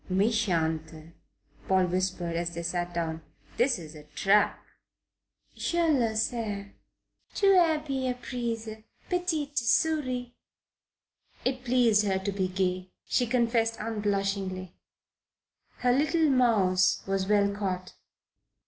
"Mechante," Paul whispered, as they sat down. "This is a trap." "Je le sais. Tu est bien prise, petite souris." It pleased her to be gay. She confessed unblushingly. Her little mouse was well caught.